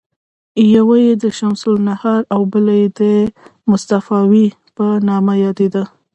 یوه یې د شمس النهار او بله یې د مصطفاوي په نامه یادیده.